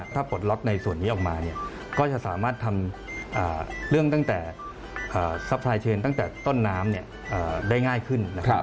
ถ้าปลดล็อตในส่วนนี้ออกมาก็จะสามารถทำเรื่องตั้งแต่ซัพพลายเชนตั้งแต่ต้นน้ำได้ง่ายขึ้นนะครับ